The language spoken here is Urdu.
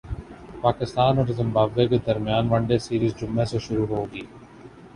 پاکستان اور زمبابوے کے درمیان ون ڈے سیریز جمعہ سے شروع ہوگی